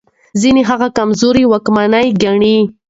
ځينې هغه کمزوری واکمن ګڼي.